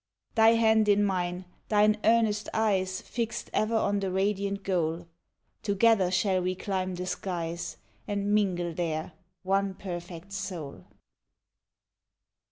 Thy hand in mine, thine earnest eyes Fixed ever on the radiant goal, Together shall we climb the skies, And mingle there, one perfect soul.